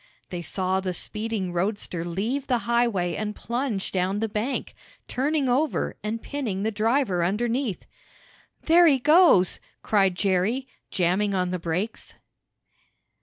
They saw the speeding roadster leave the highway and plunge down the bank, turning over and pinning the driver underneath. "There he goes!" cried Jerry, jamming on the brakes.